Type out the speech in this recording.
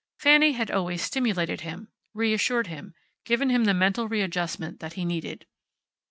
Fanny had always stimulated him, reassured him, given him the mental readjustment that he needed.